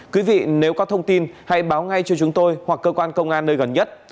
quý vị nếu có thông tin hãy báo ngay cho chúng tôi hoặc cơ quan công an nơi gần nhất